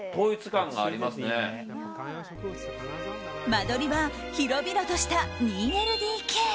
間取りは広々とした２ＬＤＫ。